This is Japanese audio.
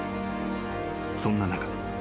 ［そんな中。